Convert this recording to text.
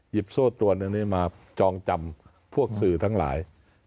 หยิบโซ่ตัวอันนี้มาจองจำพวกสื่อทั้งหลาย